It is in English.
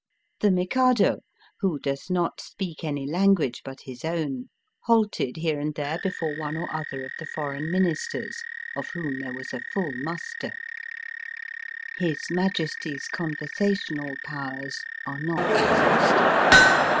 The Mikado, who does not speak any language but his own, Digitized by VjOOQIC 232 EAST BY WEST. halted here and there before one or other of the Foreign Ministers, of whom there was a full muster. His Majesty's conversational powers are not exhaustive.